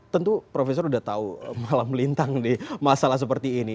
tentu profesor udah tahu malam lintang di masalah seperti ini